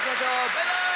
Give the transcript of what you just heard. バイバーイ！